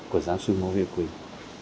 của giáo sư ngô huy quỳnh